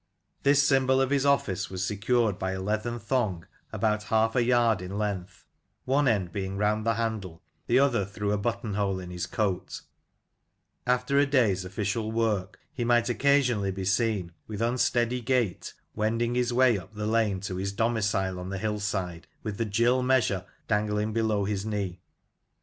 This symbol of 'his office was secured by a leathern thong about half a yard in length, one end being round the handle, the other through a button hole in his coat After a day's official work he might occasionally be seen, with unsteady gait, wending his way up the lane to his domicile on the hill side, with the gill measure dangling below his knee.